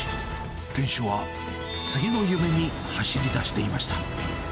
店主は、次の夢に走りだしていました。